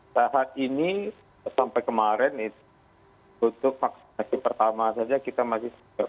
saat ini sampai kemarin untuk vaksinasi pertama saja kita masih enam set